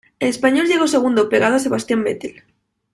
El español llegó segundo, pegado a Sebastian Vettel.